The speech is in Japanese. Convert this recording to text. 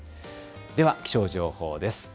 では気象情報です。